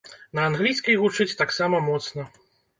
На англійскай гучыць таксама моцна.